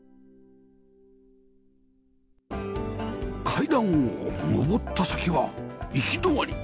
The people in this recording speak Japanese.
階段を上った先は行き止まり？